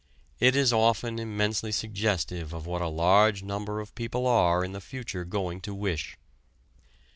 It is often immensely suggestive of what a large number of people are in the future going to wish.